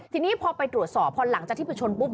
ทีนี้พอไปตรวจสอบพอหลังจากที่ไปชนปุ๊บ